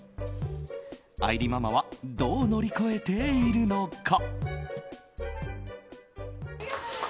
愛梨ママはどう乗り越えているのか。